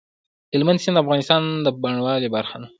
هلمند سیند د افغانستان د بڼوالۍ برخه ده.